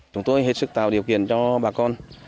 chúng tôi hết sức tạo điều kiện cho bà con